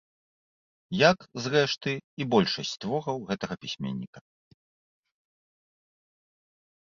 Як, зрэшты, і большасць твораў гэтага пісьменніка.